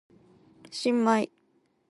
新米